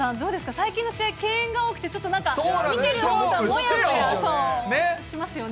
最近の試合、敬遠が多くて、なんか見てるほうはもやもやしますよね。